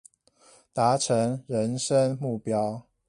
達成人生目標